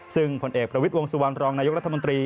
ซึ่งผลเอกประวิทย์วงสุวรรณรองนายกรัฐมนตรี